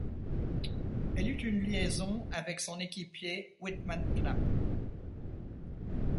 Elle eut une liaison avec son équipier Whitman Knapp.